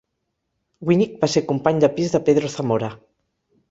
Winick va ser company de pis de Pedro Zamora.